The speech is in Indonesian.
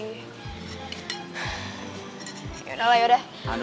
yaudah lah yaudah